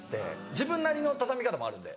自分なりの畳み方もあるので。